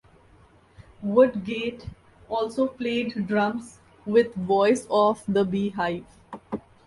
Woodgate also played drums with Voice of the Beehive.